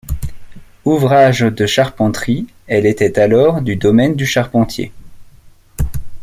Ouvrage de charpenterie, elle était alors du domaine du charpentier.